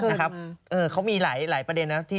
นะครับเขามีหลายประเด็นนะ